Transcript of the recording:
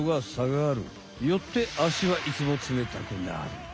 よってあしはいつもつめたくなる。